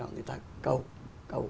người ta cầu